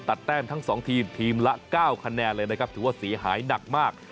แต้มทั้ง๒ทีมทีมละ๙คะแนนเลยนะครับถือว่าเสียหายหนักมาก